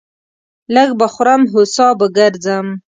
لږ به خورم ، هو سا به گرځم.